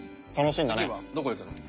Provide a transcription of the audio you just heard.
次はどこ行くの？